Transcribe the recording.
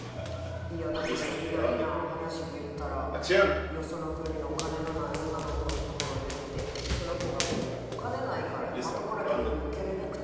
いやだってもう偉大な話で言ったらよその国のお金のない女の子のところに行ってその子がお金ないからまともな教育も受けれなくて。